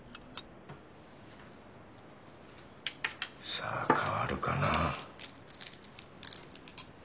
さあ変わるかな？